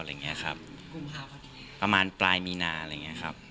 อะไรอย่างนี้ครับประมาณปลายมีนาอะไรอย่างนี้ครับ